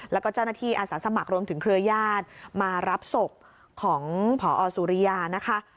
แล้วก็เจ้าหน้าที่อาสาสมัครรวมถึงเครือญาติมารับศพของพอสุริยานะคะ